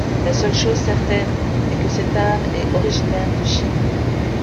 La seule chose certaine est que cet art est originaire de Chine.